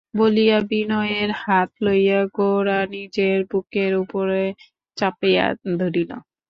বলিয়া বিনয়ের হাত লইয়া গোরা নিজের বুকের উপরে চাপিয়া ধরিল।